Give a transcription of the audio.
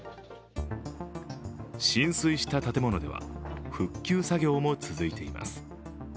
浸水した建物では復旧作業も続いています。